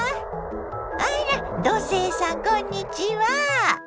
あら土星さんこんにちは。